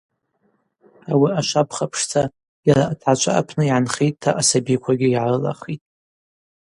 Ауи ашвапха пшдза йара атгӏачва апны йгӏанхитӏта асабиквагьи йгӏарылахитӏ.